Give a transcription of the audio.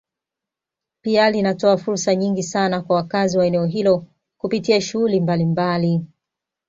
Pia linatoa fursa nyingi sana kwa wakazi wa eneo hilo kupitia shughuli mbalimbali